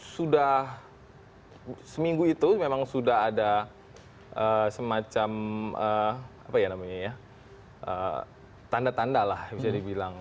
sudah seminggu itu memang sudah ada semacam apa ya namanya ya tanda tanda lah bisa dibilang